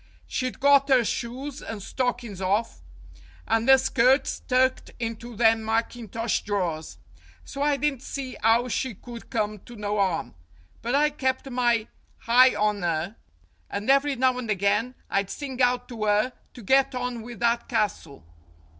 She'd got 'er shoes and stockin's off, and 'er skirts tucked into them mackintosh drors; so I didn't see 'ow she could come to no 'arm. But I kept my hi on 'er, and every now and again I'd sing out to 'er to get on with that castle.